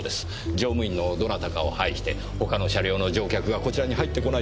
乗務員のどなたかを配して他の車両の乗客がこちらに入ってこないようにしてください。